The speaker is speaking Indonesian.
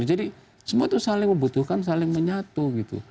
semua itu saling membutuhkan saling menyatu gitu